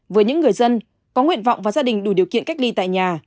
với những người dân có nguyện vọng và gia đình đủ điều kiện cách ly tại nhà